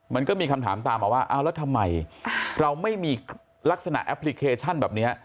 มันก็มีคำถามตามมาว่าเอาแล้วทำไมเราไม่มีลักษณะแอปพลิเคชันแบบนี้